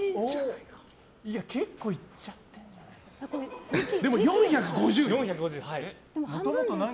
結構いっちゃってるんじゃない。